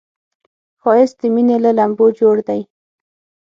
ښایست د مینې له لمبو جوړ دی